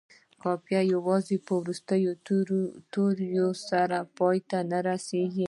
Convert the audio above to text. قافیه یوازې په وروستي توري سره پای ته نه رسيږي.